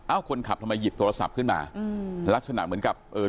คนขับทำไมหยิบโทรศัพท์ขึ้นมาอืมลักษณะเหมือนกับเออ